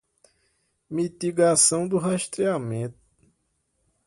mitigação do rastreamento